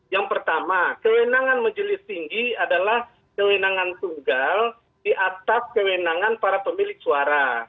yang pertama kewenangan majelis tinggi adalah kewenangan tunggal di atas kewenangan para pemilik suara